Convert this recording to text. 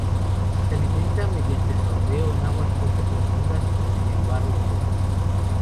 Se alimentan mediante sondeo en aguas poco profundas o en el barro húmedo.